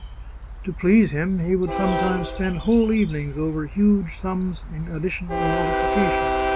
To please him he would sometimes spend whole evenings over huge sums in addition or multiplication.